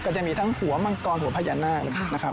จะมีทั้งหัวมังกรหัวพญานาคนะครับ